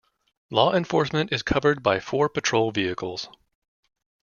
Law Enforcement is covered by four patrol vehicles.